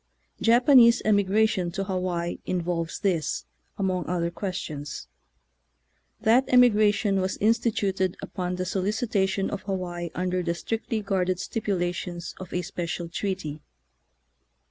Japanese emigration to Hawaii involves this, among other ques tions. That emigration was instituted upon the solicitation of Hawaii under the strictly guarded stipulations of a special treaty.